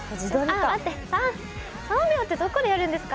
３秒ってどこでやるんですか？